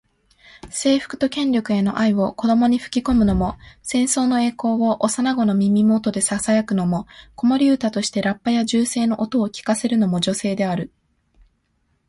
征服と権力への愛を子どもに吹き込むのも、戦争の栄光を幼子の耳元でささやくのも、子守唄としてラッパや銃声の音を聞かせるのも女性である。